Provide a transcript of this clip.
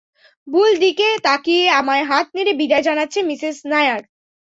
ভুল দিকে তাকিয়ে আমায় হাত নেড়ে বিদায় জানাচ্ছে মিসেস নায়ার।